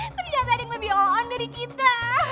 tapi jangan ada yang lebih on dari kita